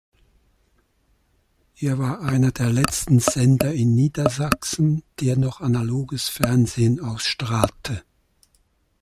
Er war einer der letzten Sender in Niedersachsen, der noch analoges Fernsehen ausstrahlte.